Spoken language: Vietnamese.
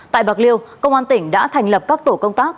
tại bạc liêu công an tỉnh đã thành lập các tổ công tác